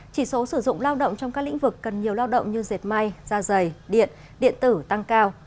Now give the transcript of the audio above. chỉ số sử dụng lao động trong các lĩnh vực cần nhiều lao động như dệt may da dày điện điện tử tăng cao